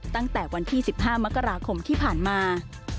ตั้งแต่วันที่๑๕มกราคมที่ผ่านมา